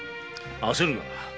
焦るな。